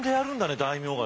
大名がね。